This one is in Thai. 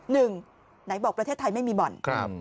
หนึ่งไหนบอกประเทศไทยไม่มีบ่อน